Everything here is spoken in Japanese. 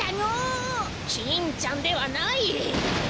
キンちゃんではない。